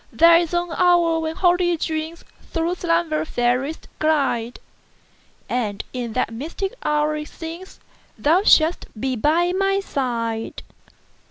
There is an hour when holy dreamsThrough slumber fairest glide; And in that mystic hour it seemsThou shouldst be by my side.